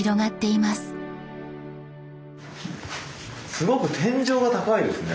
すごく天井が高いですね。